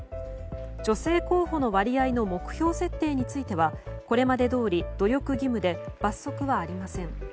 女性候補の割合の目標設定についてはこれまでどおり努力義務で罰則はありません。